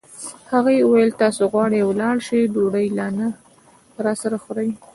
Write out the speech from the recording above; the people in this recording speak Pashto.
هغې وویل: تاسي غواړئ ولاړ شئ، ډوډۍ لا نه راسره خورئ.